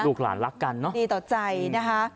หลานรักกันเนอะดีต่อใจนะคะ